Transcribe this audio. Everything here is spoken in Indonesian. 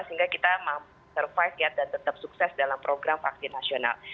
sehingga kita survive dan tetap sukses dalam program vaksin nasional